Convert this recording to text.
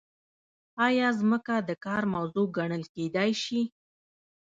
ایا ځمکه د کار موضوع ګڼل کیدای شي؟